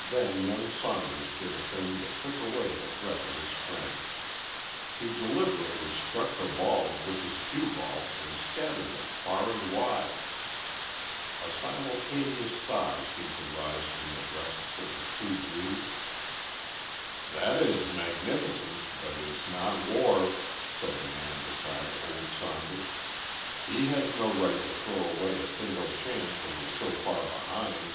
Then young Saunders did a thing that took away the breath of his friends. He deliberately struck the balls with his cue ball and scattered them far and wide. A simultaneous sigh seemed to rise from the breasts of the True Blues. "That is magnificent, but it is not war," said the man beside old Saunders. "He has no right to throw away a single chance when he is so far behind."